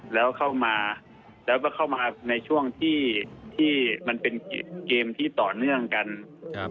แล้วเข้ามาแล้วก็เข้ามาในช่วงที่ที่มันเป็นเกมที่ต่อเนื่องกันครับ